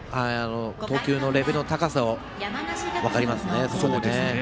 投球のレベルの高さが分かりますね。